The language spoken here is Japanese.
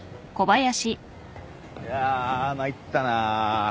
いやぁ参ったな。